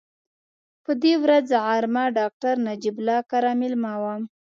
په دې ورځ غرمه ډاکټر نجیب الله کره مېلمه وم.